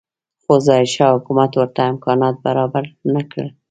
خو ظاهرشاه حکومت ورته امکانات برابر نه کړل.